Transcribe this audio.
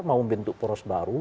mau membentuk poros baru